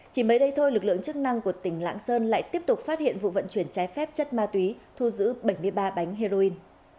chỉ mới đây thôi lực lượng chức năng của tỉnh lạng sơn lại tiếp tục phát hiện vụ vận chuyển trái phép chất ma túy thu giữ bảy mươi ba bánh heroin